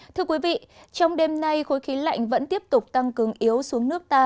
thưa quý vị trong đêm nay khối khí lạnh vẫn tiếp tục tăng cứng yếu xuống nước ta